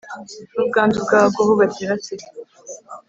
N ubwandu bw agakoko gatera sida